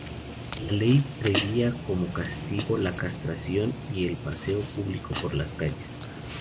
La ley preveía como castigo la castración y el paseo público por las calles.